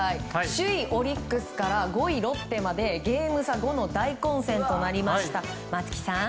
首位オリックスから５位ロッテまでゲーム差５の大混戦となりました。